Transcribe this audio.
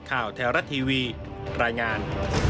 ข่าวแท้รัฐทีวีรายงาน